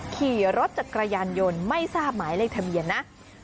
ขี่รถจักรยานยนต์ไม่ทราบหมายเลขทะเบียนนะ